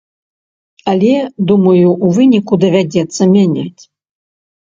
Але, думаю, у выніку давядзецца мяняць.